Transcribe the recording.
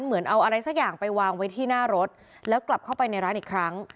เหมือนเอาอะไรสักอย่างไปวางไว้ที่หน้ารถแล้วกลับเข้าไปในร้านอีกครั้ง